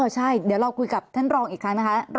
ใช่เดี๋ยวเราคุยกับท่านรองอีกครั้งนะคะ